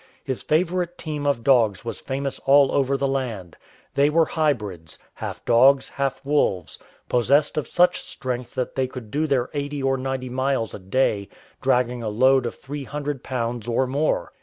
His favourite team of dogs was famous all over the land. They were hybrids — half dogs, half wolves, possessed of such strength that they could do their eighty or ninety miles a day, dragging a load of three hundred pounds or more.